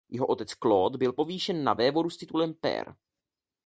Jeho otec Claude byl povýšen na vévodu s titulem pair.